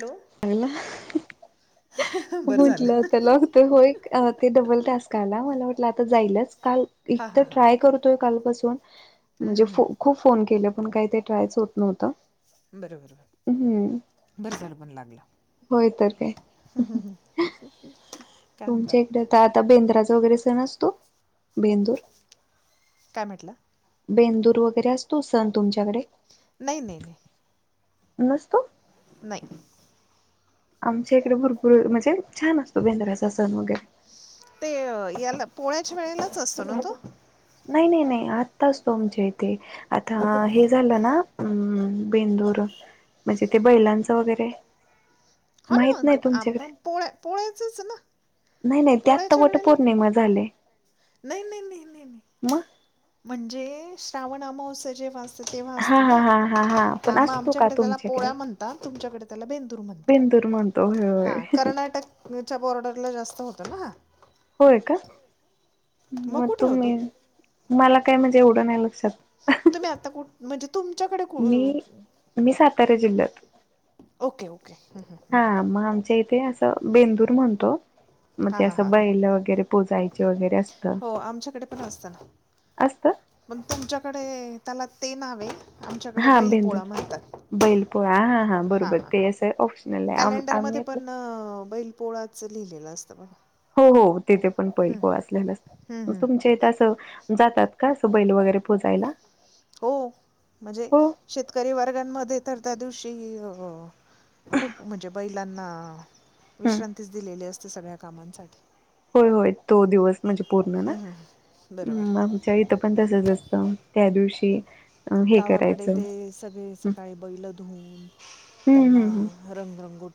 Hello चांगलं,,, बरं झालं म्हटलं आता लागतोय होय. ते डबल टास्क आला, मला वाटलं आता जाईलच, काल एक हां तर हां हां ट्राय करतोय कालपासूनऽ म्हणजे बरं खूप फोन केले पण काही ते ट्रायच होत नव्हत. बर, बर झाल मग. लागला होय तर काय ह, तुमच्या इकडे आ तर आता बेंद्राचा वगैरे सण असतो.. बेंदूर, काय म्हटलं बेंदूर वगैरे असतो सण तुमच्या? नाही, नाही, नाही नसतो. नाही. आमच्या इकडे भरपूर म्हणजे छान असतो बेंदऱ्याचा सण वगैरे ते याला पोळाच्या वेळेलाच असतो ना तो नाही नाही नाही आत्ताच तोमच्या इथे आता हे झालं ना, हम्म बेंदूर म्हणजे ते बैलांचं वगैरे हो ना माहित नाही म्हणते तुमच्याकडे आपण पोळ्या पोळ्याचच ना नाही नाही त्या आतता पोळ्याच्या वट वेळेला पौर्णिमा झाले. नाही नाही नाही नाही नाही मग म्हणजे श्रावण अमावस्या जे वाच तेव्हा हा असतो हा ना हा हा हा पण आ असतो का आमच्याकडे त्याला तुमच्याकडे पोळ्या म्हणता, तुमच्याकडे कर् बेंदूर म्हणतो होय होय [inaudible] जास्त होत ना होय का मग कुठे होतो तुम्ही मला काय म्हणजे एवढं नाही लक्षात तुम्ही आता कुठ म्हणजे तुमच्याकडे कु मी मी सातारा जिल्ह्यात ओके ओके हम् हम् ह् ते असं बेंदूर म्हणतो मग ते हां हां असं हां बैल वगैरे पोचायचे वगैरे असत. असत मग तुमच्याकडे त्याला ते नावे हा बिंदू बैलपोळा हा हा हां बरोबर हां ते असं ऑप्शनल आहे आम्ही आपलं असं लिहिलेलं असत बघ. हो हो तिथे पण पैल हं, असलेलं हं. तुमच्या इथ असं जातात. का स बैल वगैरे पोचायला [inaudible] हो म्हणजे शेतकरी वर्गांमध्ये तर त्या दिवशी खूप म्हणजे बैलांना हम्म विश्रांतीच दिलेली असते सगळ्या कामांसाठी हो होय तो दिवस म्हणजे पूर्ण ना हं, हं, हं. बरोबर आमच्या इथं पण तसच असतं. कऋषी [inaudible] गावाकडे ते सगळे सकाळी बैल धुऊून हम्म त्यांना हम्म. रंगरंगो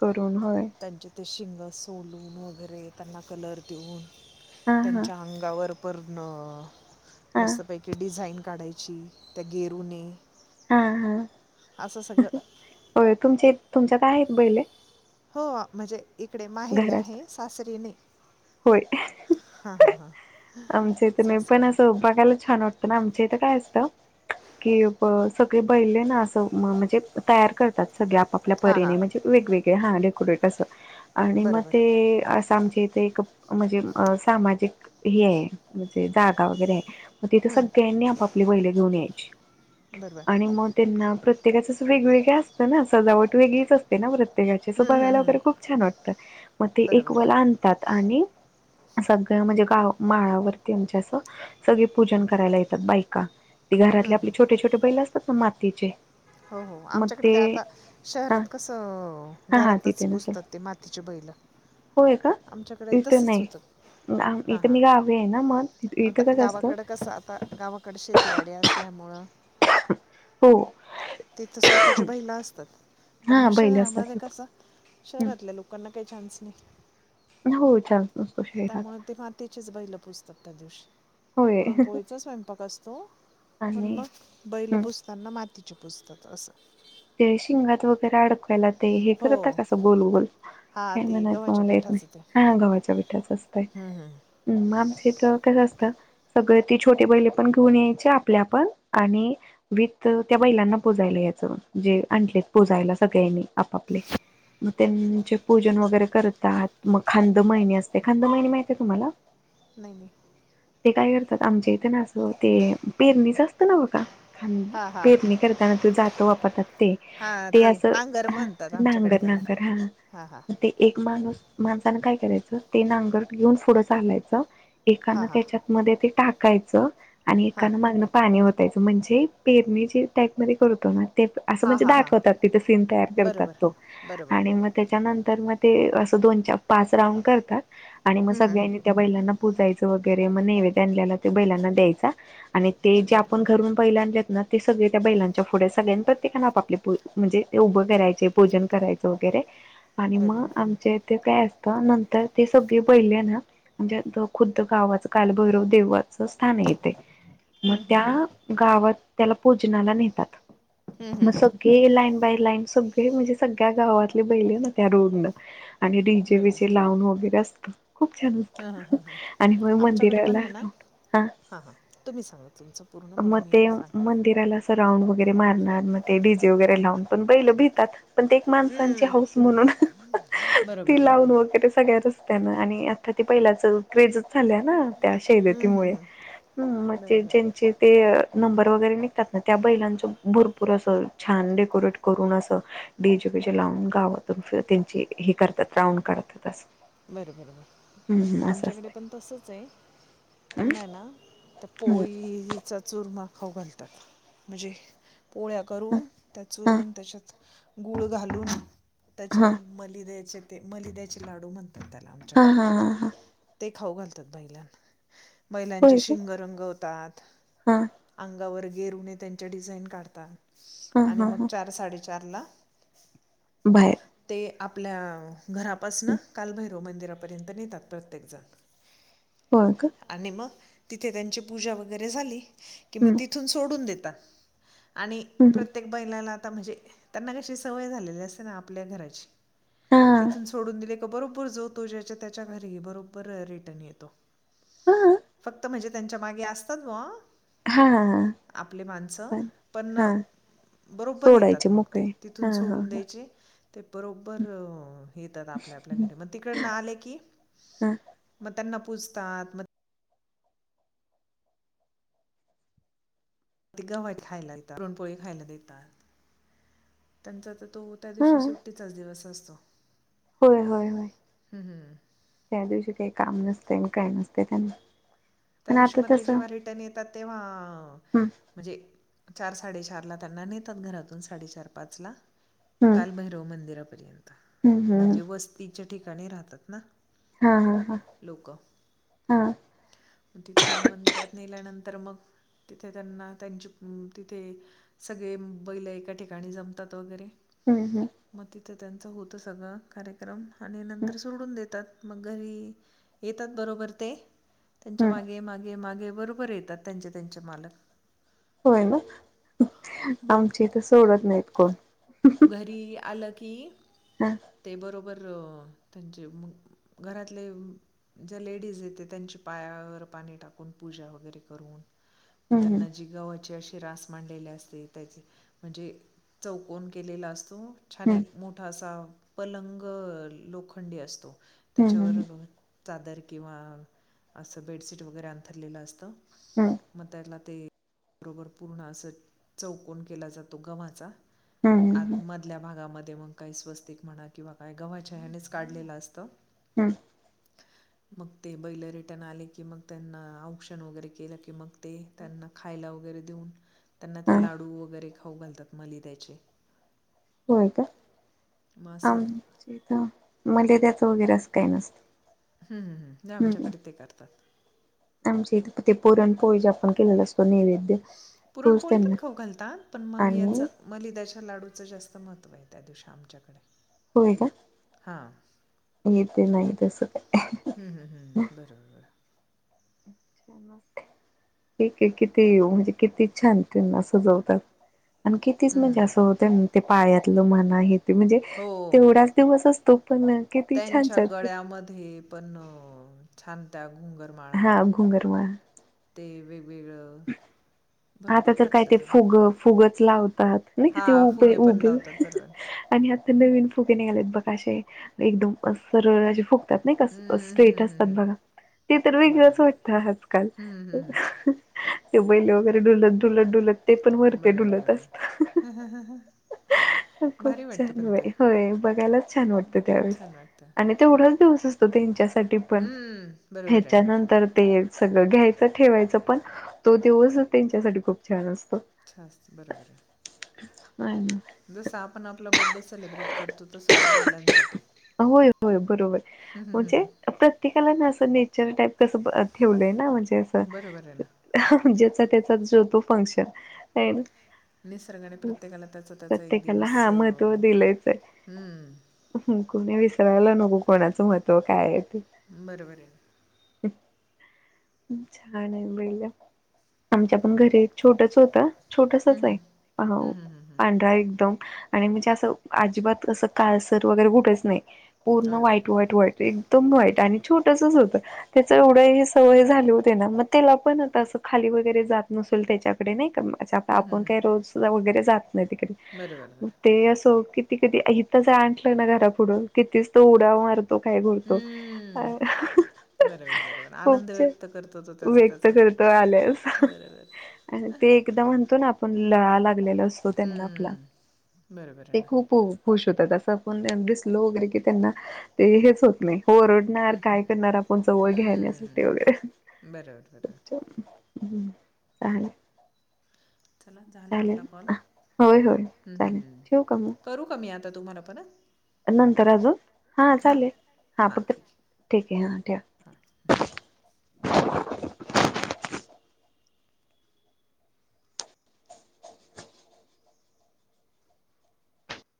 करून हय ते शिंग सोलून वगैरे त्यांना कलर देऊन हा हा त्यांच्या अंगावर पण हा मस्तपैकी डिझाईन काढायची त्या गेरूने हा हा असं सगळं हो तुमचे तुमच्यात आहेत बैले हो म्हणजे इकडे माहेरी आहे सासरी नाही. होय हा हा हा आमच्या इथं नाही पण असं बघायला छान वाटतं ना, आमच्या इथं काय असतं. कि सगळे बैले ना अस म्हणजे तयार करतात सगळे. आपल्या हां हां परीने म्हणजे वेगवेगळे ह डेकोरेट असं आणि मग बरोबर ते असम म्हणजे सामाजिक ह आहे म्हणजे जागा वगैरे. ग तिथे सगळ्यांनी आपापली बैले घेऊन यायची बरोबर आणि मग त्यांना प्रत्य प्रत्येकाच वेगवेगळं असतं ना सजावट वेगळीच असते ना व्रत. तेच बघायला वगैरे खूप छान वाटतं मग ते एक वल बरोबर आणतात आणि सगळं म्हणजे गाव माळावरती आमच्या असं सगळे पूजन करायला येतात बायका. ती घरातले आपली छोटे छोटे बैल असतात ना मातीचे. हो हो आमच्याकडे ते आता हा शहरात कसं हा हा घरातच तिथे नसेल पुजतात ते मातीच्या बैल [inaudible] होय का आमच्याकडे इथ तसंच नाही. होतं हां मी गावी आहे ना मग आता इथं कसं असतं गावाकड कस आता गावाकडे शेतीवाडी असल्यामुळें. हो. तिथं स्वतःच्या बैल असतात. पण हा मग बैल शहरामध्ये असतात. कस हम्म शहरातल्या लोकांना काही चान्स नाही. हो चाल. त्यामुळे ते मातीचेच बहिलं पुस्तक त्या दिवशी. होय पुरण पोळीचा स्वयंपाक असतो पण आणि मग बैल हम्म पुजताना माती. ची पुस्तक असं. ते शिंगात वगैरे अडकावायला ते हे हो करत कसं गोलगोल. हां काही ते म्हणायचं गव्हाच्या मला येत नाही पिठाचं ते हा गव्हाच्या पिठाचा असतय. हम् आमचे तर कस असत सगळ. ती छोटी बैले पण घेऊन यायचे आपल्या आपण आणि विथ त्या बैलांना पोजायला यायचं. जे आणले पुजायला सगळ्यांनी आपापले. मग त्यांचे पूजन वगैरे करतात मग खांद मळनी असते खांद मळनी माहिती आहे तुम्हाला? नाही नाही. ते काय करतात आमच्या इथं ना असं ते पेरणीचं असतं ना ब का. खां हां हां पेरणी करताना त जात वापरतात. ते हा ते असं नांगर म्हणतात आमच्याकडे नांगर त्याला नांगर हा. मग ते एक माणूस माणसान काय. करायच ते नांगर घेऊन पुढं चालायचं हा एकान हा त्याच्यात मध्ये ते टाकायचं. आणि हा एकानं मागणं पाणी ओतायचं म्हणजे पेरणी जे टॅपमध्ये करतो ना ते. असं हा म्हणजे हा हा दाखवतात तिथे सीन तयार करतात बरोबर तो बरोबर आणि मग त्याच्यानंतर मग. ते असं दोन चार पाच राऊंड करतात आणि मग हम्म, सगळ्यांनी त्या बैलांना पूजायच. वेगैरे मग नैवेद्य आण बैलांना द्यायचा आणि ते हम्म. जे आपण बरं घरून बैल आणली ते. ना ते सगळे त्या बैलांच्या पुढ्या सगळ्यां पण. ते धाण आपले म्हणजे उभं करायचे पूजन करायचं वगैरे. आणि मग बरोबर आमचे इथे काय असत. नंतर ते सगळे पहिले ना म्हणजे खुद्द गावाचं कालभैरव देवाचं स्थान आहे. मग त्या गावात त्याला पुजनाला नेतात. मग सगळे लाईन बाय लाईन सगळे म्हणजे सगळ्या गावातले बैल येतात ना त्या रोडनं. आणि रडी जे बरोबर वचे लावून वगैरे असतं. खूप छान हां हां होत हां आणि मग मंदिराला. हा हा तुम्ही सांगा तुमचं पूर्ण मग मी ते सांग. मंदिराला असं राऊंड वगैरे मारणार मग ते डीजे वगैरे लावून पण पहिलं भितात पण ते एक माणसांचे हौऊस हम्म म्हणून. ती बरोबर लावून बरोबर वगैरे सगळ्या रस्तात्या ना आणि आता ती पहिल्याच क्रेजच झाल्या ना. त्या हम्म शैलतीमुळे हम्म हम्म ह म्हगजे बरोबर ज्यांचे ते. नंबर वगैरे निघतात ना त्या बैलांच भर. छान डेकोरेट करून असं डीजे बीजे लावून गावातच त्यांचे हे करतात. राऊंड काढतात अस. बरोबर, आमच्याकडे असतंय पण तसच आहे. त्यांना आहे ना त्या हम्म पोळीचा चुरमा खाऊ घा. म्हणजे पोळ्या करून त्या हा चुरून त्याच्यात गूळ घालून त्याचे हा हा मलिद्याचे ते मलिद्याचे लाडू म्हणतात. हा आमच्याकडे हा हा हा ते खाऊ घालतात बैलाला बैलांचे होय का शिंग रंगवतात. हा अंगावर येरुने त्यांच्या डिझाईन काढतात हा आणि हा मग हा चार साडेचार ला बाहेर. ते आपल्या घरापासन कालभैरव मंदिरापर्यंत नेतात प्रत्येकजण होय का? आणि मग तिथे त्यांची पूजा वगैरे झाली कि मग हम्म तिथून सोडून देत. आणि हम्म प्रत्येक बैलाला त्याना म्हणजे त्यांना कशी सवय झालेली असते. ना आपल्या घराची हा तिथून सोडून दिल की, मग बरोबर जो तो त्याच्या घरी बरोबर रिटर्न येतो. हा फक्त म्हणजे, त्यांच्या मागे असतात बुवा हा आपले माणसं पण हा बरोबर येतात सोडायचे मग ते मोकळे हा तिथून हा सोडून हा द्यायचे ते बरोबर येतात आपल्या मग तिकडन आले की हा मग त्यांना पूजतात मग ते गावात खायला येतात. पूरणपोळी खायला देतात त्यांच तो त्या हा दिवशी सुट्टीचाच दिवस असतो. होय होय होय हम्म. हम्म. त्या दिवशी काही काम नसत. काय नसते त्यांना. त्या पण दिवशी आता म ते तसं जेव्हा रिटर्न येतात तेव्हा हम्म म्हणजे चार साडेचारला त्यांना नेतात घरातून साडेचार पाच ला हम्म कालभैरव मंदिरामध्ये हम्म हम्म म्हणजे वस्तीच्या ठिकाणी राहतात ना. हा हा हा लोक हा तिथून मंदिरात नेल्यानंतर मग, तिथे त्यांना त्यांची तिथे सगळे बैल एका ठिकाणी जमतात वगैरे हम्म हम्म मग तिथं त्यांच होत सगळं कार्यक्रम आणि हम्म नंतर सोडून देतात. मग घरी येतात बरोबर ते त्यांच्या हम्म मागे मागे मागे बरोबर येतात त्यांचे त्यांचे मालक होय ना आमची इथ सोडत नाहीत कोण घरी आलं की हा ते बरोबर अ, [inaudible] त्यांचे मग घरातले ज्या लेडीज येते. त्यांची पायावर पाणी टाकून. पूजा वगैरे करून. मग हम्म त्यांना जी गावाची अशी रास मांडलेली असते त्या म्हणजे चौक कोण केलेला असतो छान हम्म एक मोठा असा पलंग लोखंडी असतो. हम्म त्याच्यावर हम्म चादर किंवा असं बेडशीट वगैरे अंथरलेलं असतं. हम्म मगं त्यातला ते बरोबर पूर्ण असं चौकन केला जातो गव्हाचा हम्म आत हम्म मधल्या भागामध्ये मग काही स्वस्तिक म्हणा किंवा काय गव्हाच्या हेनेच काढलेलं असतं. हम, मग ते बैल रिटर्न आले. की मग त्, यांना औक्षण वगैरे केलं की मग ते त्यांना खायला वगैरे देऊन त्यांना हा ते लाडू वगैरे खाऊ घालतात मालिद्याचे. होय, का मग असं आमच्या इथं मलिद्याच वगैरे अस काही नसतं. हम्म हम् हम् नाही हम्म आमच्याकडे ते करतात. आमच्या इथे ते पुरण पोळी आपण जे केलेलं असते. पुरणपोळी पण खाऊ घालता पण मग याच आणि मलिदाच्या लाडूचं जास्त महत्व आहे त्या दिवशी आमच्याकडे होय का हां एक ते नाही तस काय हम्म हम्म हम्म बरोबर, अ्छा मस्त ठीक आहे किती म्हणजे किती छान त्यांना सजवतात आणि कितीच हं, हं, म्हणजे हं. असं होत ना ते पायातलं म्हन आहे ते म्हणजे हो तेवढाच दिवस असतो पण किती छान त्यांच्या जातो गळ्यामध्ये पण छान हा घुंगरवा [unintelligible] आता तर काय घातलं ते जातं फुग फुगच लावत नाही का हा ते उभे फुगे पण उभे लावतात बरोबर आणि आता नवीन फुगे निघालेत बघ एकदम सरळे फुकतात नाही का हम्म, स्ट्रेट हम्म, हम्म, हम्म, असतात हम्म. बघा त तर वेगळंच बरोबर वाटतं आजकाल हम्म, हम्म, हम्म. ते बैले वगैरे डुलत- डुलत - डुलत ते पण वरते बरोबर डुलत बरोबर असतं खूप भारी वाटतं छान पण ते होय- होय बघायलाच छान वाटतं त्यावेळेस छान वाटतं आणि तेवढाच दिवस असतो तेंच्या साठी पण हम्म बरोबर आहे ना हेच्यानंतर ते सगळं घ्यायचं ठेवायचं पण तो दिवस त्यांच्यासाठी खूप छान असतो. बरोबर आहे. जसं आपण आपला बडे सेलिब्रेट करतो तसं तो बैलांसाठी होय होय बरोबर हम्म, म्हणजे हम्म, प्रत्येकाला ना असं पिक्चर टाईप कसं ब ठेवलंय ना म्हणजे असं हम्म. बरोबर आहे ना त्याचा जो तो फंक्शन निसर्गाने प्रत्येकाला त्याचा त्याचा एक प्रत्येकाला दिवस हा महत्त्व दिलंच हम्म आहे कोणी विसरायला नको कोणाचं महत्व काय ते बरोबर आहे. छान आहे बैलं आमच्या पण घरी एक छोटसं होतं हं, छोटसंचं आहे हं. हा हो हं, हं, हं, हं. पांढरा एकदम आणि म्हणजे असं अजिबात असं काळसर वगैरे कुठेच नाही पूर्ण अरे व्हाईट - बापरे! व्हाईट -एकदम व्हाईट आणि छोटसंच होत त्याचं एवढं हे सवय झाली होते ना मग त्याला पण आता असं खाली वगैरे जात न असलं त्याच्याकडे नाही का म अच्छा आता हं, हं, आपण हं. काही रोज वगैरे जात नाही तिकडे बरोबर, बरोबर. ते असं की ते कधी हितच आणलं ना घरा पुुढं कि तीच तो उड्या मारत तो काय बोलतो अ हम्म. बरोबर बरोबर आनंद व्यक्त करतो तो त्याचा व्यक्त त्याचा करतो आल्यास बरोबर आणि ते एकदा म्हणतो ना पण लळा लागलेला असतो त्यांना आपला हम्म. बरोबर आहे ते ना. खूप खुश होत असं कोण तेंना दिसलं वगैरे कि त्यांना ते हेच होत नाही ओरडणार काय करणार आपण जवळ हम्म. घ्याण्यासाठी वगैरे बरोबर, बरोबर. हम्म झाला चला झाला आपला कॉल होय हम्म चालेल हम्म ठेव का मग करू का मी आता तुम्हाला परत? नंतर अजून हा हां? चालेल हा हां, फक्त ठीक आहे. ठीक आहे हा हां. ठेवा [inaudible]